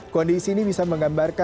kondisi ini bisa menggambarkan